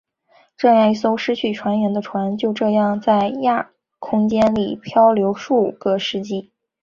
这样一艘失去船员的船就这样在亚空间里飘流数个世纪。